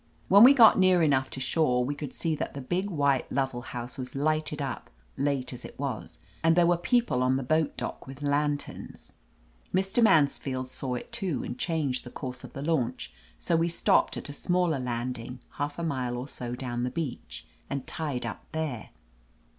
When we got near enough to shore we could see that the big white Lovell house was lighted up, late as it was, and there were people on the boat dock with lanterns. Mr. Mansfield saw it too, and changed the course of the launch, so. we stopped at a smaller landing, half a mile or so down the beach, and tied up there.